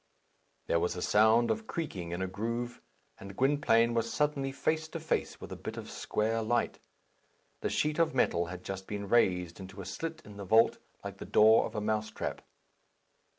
There was a sound of creaking in a groove, and Gwynplaine was suddenly face to face with a bit of square light. The sheet of metal had just been raised into a slit in the vault, like the door of a mouse trap.